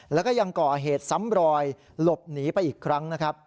แล้วก็ยังก่อเหตุสำรอยหลบหนีไปอีกครั้ง